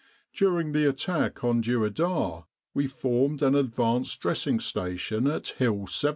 During the attack on Dueidar we formed an advanced Dressing Station at Hill 70.